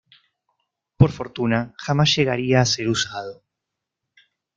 Por fortuna, jamás llegaría a ser usado.